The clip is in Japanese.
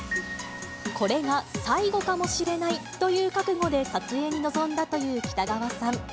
これが最後かもしれないという覚悟で撮影に臨んだという北川さん。